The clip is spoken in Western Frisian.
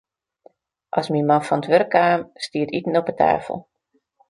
As myn man fan it wurk kaam, stie it iten op 'e tafel.